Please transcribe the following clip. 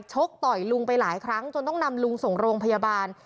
ชกต่อยลุงไปหลายครั้งจนต้องนำลุงส่งโรงพยาบาล